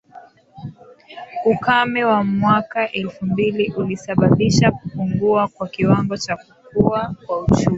Ukame wa mwaka elfu mbili ulisababisha kupungua kwa kiwango cha kukua kwa uchumi